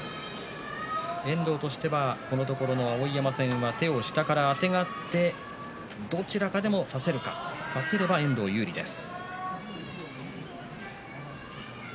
遠藤としてはこのところの碧山戦手を下からあてがってどちらかでも差せるか差せれば遠藤有利です。